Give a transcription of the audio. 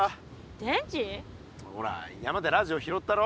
ほら山でラジオ拾ったろ。